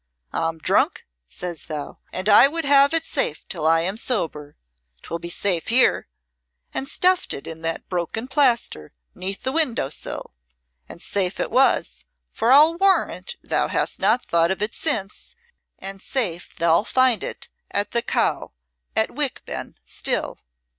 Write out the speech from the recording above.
'I'm drunk,' says thou, 'and I would have it safe till I am sober. 'Twill be safe here,' and stuffed it in the broken plaster 'neath the window sill. And safe it was, for I'll warrant thou hast not thought of it since, and safe thou'lt find it at the Cow at Wickben still."